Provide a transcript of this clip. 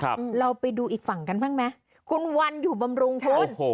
เราไปดูอีกฝั่งกันบ้างไหมคุณวันอยู่บำรุงคุณโอ้โห